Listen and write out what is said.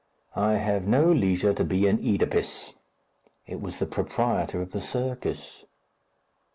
"I have no leisure to be an Oedipus." "It was the proprietor of the circus."